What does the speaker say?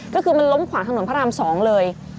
ก็คือมันล้มขวางถนนพระราม๒เลย